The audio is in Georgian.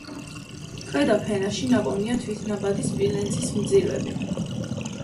ქვედა ფენაში ნაპოვნია თვითნაბადი სპილენძის მძივები.